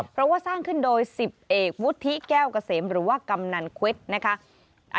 เพราะว่าสร้างขึ้นโดย๑๐เอกวุฒิแก้วเกษมหรือว่ากำนันควิดนะคะ